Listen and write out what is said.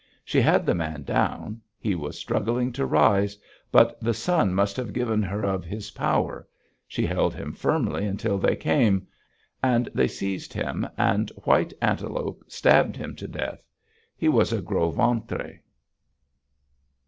She had the man down; he was struggling to rise; but the sun must have given her of his power: she held him firmly until they came, and they seized him, and White Antelope stabbed him to death. He was a Gros Ventre.